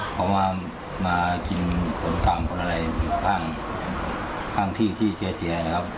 เพราะว่ามากินของตามคนอะไรอยู่ข้างข้างที่ที่เจ๋ียเสียนะครับ